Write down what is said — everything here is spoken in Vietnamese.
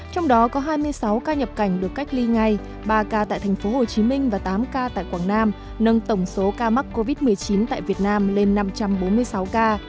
trong đó có hai mươi sáu ca nhập cảnh được cách ly ngay ba ca tại tp hcm và tám ca tại quảng nam nâng tổng số ca mắc covid một mươi chín tại việt nam lên năm trăm bốn mươi sáu ca